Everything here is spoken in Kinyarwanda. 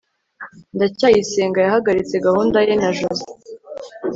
ndacyayisenga yahagaritse gahunda ye na joze